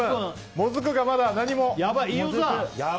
もずくがまだ何も。